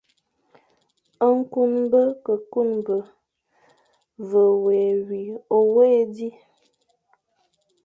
Nkuñbe ke kuñbe, ve nwé wi o wéghé di,